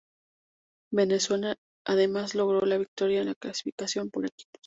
Venezuela además logró la victoria en la clasificación por equipos.